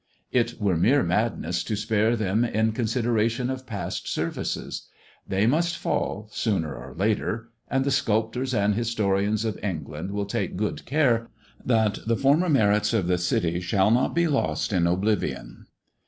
It were mere madness to spare them in consideration of past services. They must fall, sooner or later; and the sculptors and historians of England will take good care that the former merits of the City shall not be lost in oblivion.